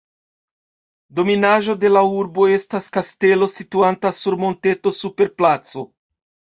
Dominaĵo de la urbo estas kastelo, situanta sur monteto super placo.